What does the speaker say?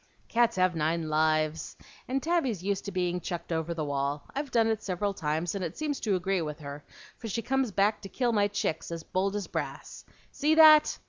"Cats have nine lives, and Tabby's used to being chucked over the wall. I've done it several times, and it seems to agree with her, for she comes back to kill my chicks as bold as brass. See that!"